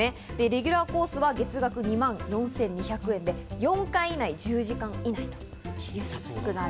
レギュラーコースは月額２万４２００円で４回以内、１０時間以内。